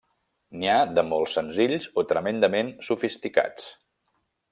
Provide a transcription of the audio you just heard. N'hi ha de molt senzills o tremendament sofisticats.